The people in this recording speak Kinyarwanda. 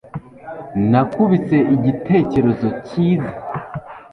nakubise igitekerezo cyiza